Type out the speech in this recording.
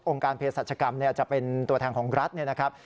การเพศรัชกรรมจะเป็นตัวแทนของรัฐเนี่ยนะครับ